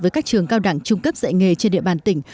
với các trường cao đẳng trung cấp dạy nghề trên địa bàn tỉnh